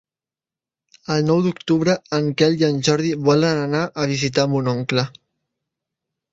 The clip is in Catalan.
El nou d'octubre en Quel i en Jordi volen anar a visitar mon oncle.